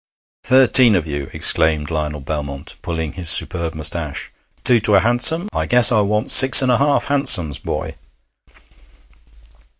'Thirteen of you!' exclaimed Lionel Belmont, pulling his superb moustache. 'Two to a hansom. I guess I'll want six and a half hansoms, boy.'